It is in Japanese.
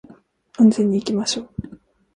安全に行きましょう